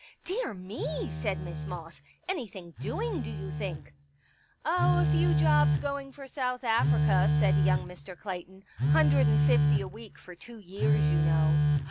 " Dear me !" said Miss Moss. " Anything doing, do you think ?"" Oh, a few jobs going for South Africa," said young Mr. Clayton. " Hundred and fifty a week for two years, you know."